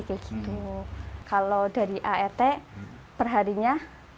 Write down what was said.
kalau dari art perharinya dua ratus